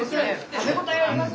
食べ応えあります。